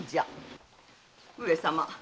上様。